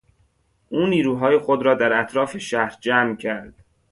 او نیروهای خود را در اطراف شهر جمع کرد.